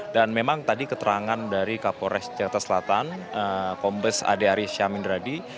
dan memang tadi keterangan dari kapolres jakarta selatan kombes adri syamindradi